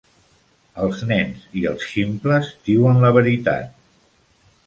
Els nens i els ximples diuen la veritat.